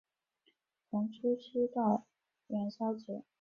从除夕到元宵节